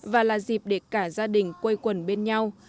và là dịp để cả gia đình quây quần bên nhau